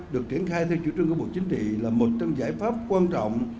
được triển khai theo chủ trương của bộ chính trị là một trong giải pháp quan trọng